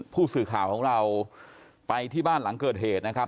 ผู้สื่อข่าวของเราไปที่บ้านหลังเกิดเหตุนะครับ